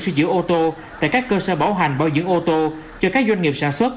sử dụng ô tô tại các cơ sở bảo hành bảo dưỡng ô tô cho các doanh nghiệp sản xuất